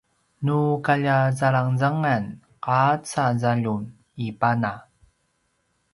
nu kalja zalangzangan qaca zaljum i pana